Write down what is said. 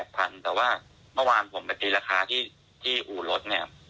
แต่ว่าเมื่อวานผมไปตีราคาที่อู่รถเนี่ย